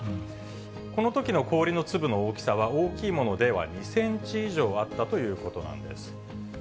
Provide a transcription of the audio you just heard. このときの氷の粒の大きさは、大きいものでは２センチ以上あったということなんです。